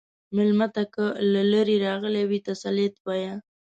مېلمه ته که له لرې راغلی وي، تسلیت وایه.